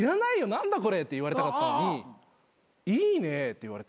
何だこれって言われたかったのにいいねって言われて。